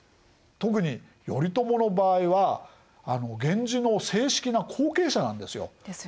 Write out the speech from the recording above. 特に頼朝の場合は源氏の正式な後継者なんですよ。ですよね。